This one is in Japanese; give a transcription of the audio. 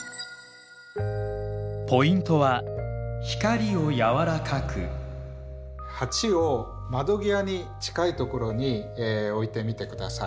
ポイントは鉢を窓際に近い所に置いてみてください。